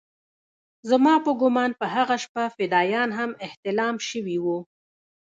زما په ګومان په هغه شپه فدايان هم احتلام سوي وو.